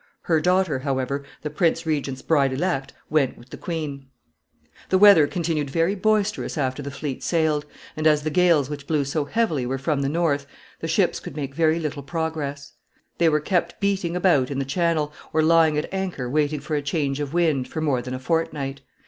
Her daughter, however, the prince regent's bride elect, went with the queen. [Sidenote: Arrival in England.] The weather continued very boisterous after the fleet sailed, and as the gales which blew so heavily were from the north, the ships could make very little progress. They were kept beating about in the Channel, or lying at anchor waiting for a change of wind, for more than a fortnight.